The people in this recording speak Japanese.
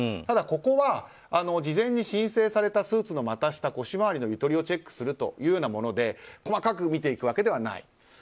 ただ、ここは事前に申請されたスーツの股下腰回りのゆとりをチェックするというようなもので細かく見ていくわけではない。